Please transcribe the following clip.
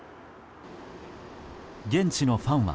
現地のファンは。